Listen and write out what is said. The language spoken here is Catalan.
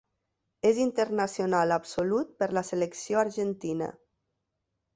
És internacional absolut per la selecció argentina.